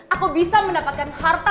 aku bisa mendapatkan harta